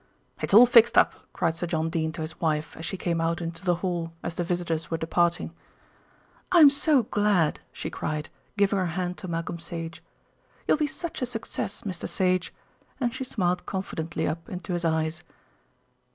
"It's all fixed up," cried Sir John Dene to his wife as she came out into the hall as the visitors were departing. "I'm so glad," she cried, giving her hand to Malcolm Sage. "You'll be such a success, Mr. Sage," and she smiled confidently up into his eyes.